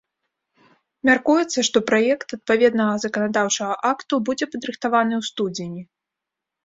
Мяркуецца, што праект адпаведнага заканадаўчага акту будзе падрыхтаваны ў студзені.